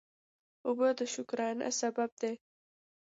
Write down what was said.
اوبه د شکرانه سبب دي.